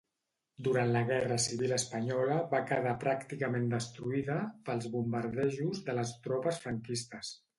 Durant la Guerra Civil espanyola va quedar pràcticament destruïda pels bombardejos de les tropes franquistes.